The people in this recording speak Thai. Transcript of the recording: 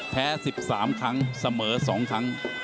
แพ้๑๓ครั้งเสมอ๒ครั้ง